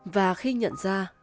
và khi nhận ra